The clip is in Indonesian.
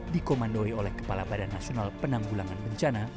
dikomandoi oleh kepala badan nasional penanggulangan bencana